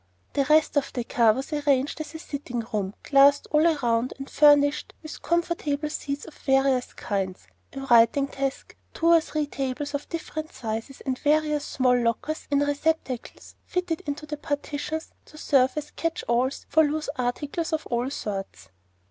The rest of the car was arranged as a sitting room, glassed all around, and furnished with comfortable seats of various kinds, a writing desk, two or three tables of different sizes, and various small lockers and receptacles, fitted into the partitions to serve as catch alls for loose articles of all sorts.